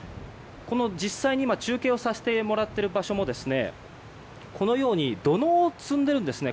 実際に中継をさせてもらっている場所もこのように土のうを積んでいるんですね。